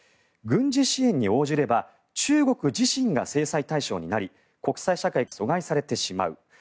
軍事支援に応じれば中国自身が制裁対象になり国際社会から疎外されてしまう。